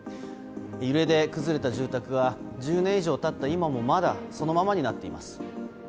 揺れで崩れた住宅が１０年以上経った今もまだそのままになっています。